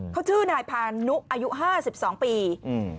เขาชื่อนายพานุอายุห้าสิบสองปีอืม